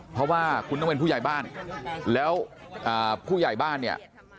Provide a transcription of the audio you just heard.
เพราะว่าคุณต้องเป็นผู้ใหญ่บ้านแล้วผู้ใหญ่บ้านเนี่ย